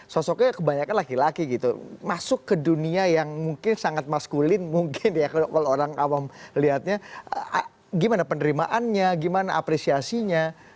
sosoknya kebanyakan laki laki gitu masuk ke dunia yang mungkin sangat maskulin mungkin ya kalau orang awam lihatnya gimana penerimaannya gimana apresiasinya